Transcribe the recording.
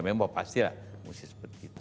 memang pasti lah harusnya seperti itu